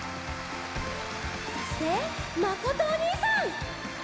そしてまことおにいさん！